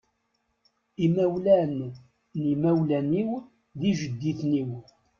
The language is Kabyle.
Imawlan n imawlan-iw d ijedditen-iw.